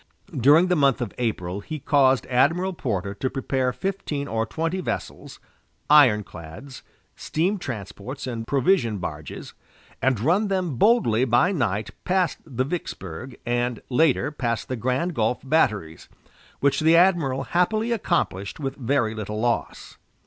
During the month of April he caused Admiral Porter to prepare fifteen or twenty vessels ironclads, steam transports, and provision barges and run them boldly by night past the Vicksburg and, later, past the Grand Gulf batteries, which the admiral happily accomplished with very little loss.